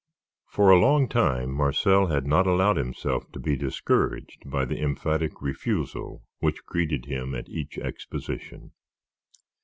For a long time Marcel had not allowed himself to be discouraged by the emphatic refusal which greeted him at each exposition.